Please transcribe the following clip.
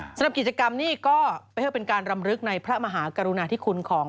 สำหรับกิจกรรมนี้ก็เพื่อเป็นการรำลึกในพระมหากรุณาธิคุณของ